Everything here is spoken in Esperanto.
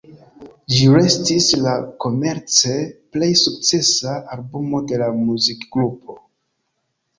Ĝi restis la komerce plej sukcesa albumo de la muzikgrupo.